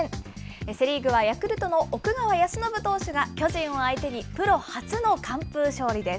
セ・リーグはヤクルトの奥川恭伸投手が、巨人を相手にプロ初の完封勝利です。